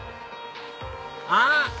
あっ！